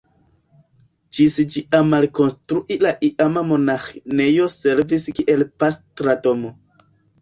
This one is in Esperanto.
Ĝis ĝia malkonstrui la iama monaĥinejo servis kiel pastra domo.